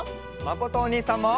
まことおにいさんも！